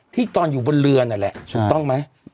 ตอนอยู่บนเรือนั่นแหละถูกต้องไหม